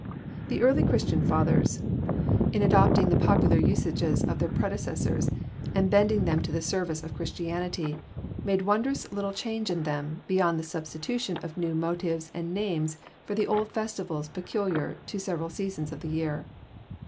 The early Christian fathers, in adopting the popular usages of their predecessors, and bending them to the service of Christianity, made wondrous little change in them, beyond the substitution of new motives and names for the old festivals peculiar to several seasons of the year.